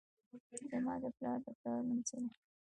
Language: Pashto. زما د پلار د پلار نوم څه و؟